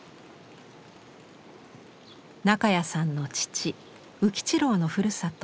中谷さんの父宇吉郎のふるさと